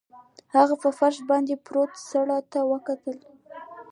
هغه په فرش باندې پروت سړي ته وکتل